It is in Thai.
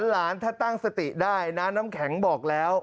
หลานถ้าตั้งสติได้นะน้ำแข็งบอกแล้ว